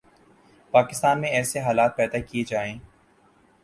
پاکستان میں ایسے حالات پیدا کئیے جائیں